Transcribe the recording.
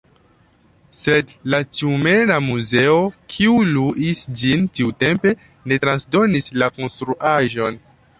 Sed la Tjumena muzeo, kiu luis ĝin tiutempe, ne transdonis la konstruaĵon.